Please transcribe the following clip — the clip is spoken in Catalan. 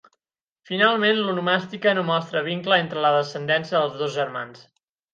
Finalment l'onomàstica no mostra vincle entre la descendència dels dos germans.